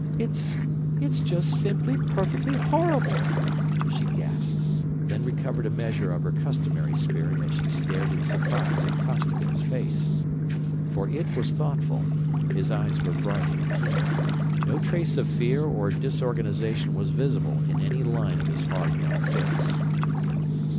It's ... it's just simply perfectly horrible!" she gasped, then recovered a measure of her customary spirit as she stared in surprise at Costigan's face. For it was thoughtful, his eyes were bright and keen no trace of fear or disorganization was visible in any line of his hard young face.